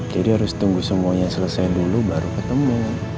jadi harus tunggu semuanya selesai dulu baru ketemu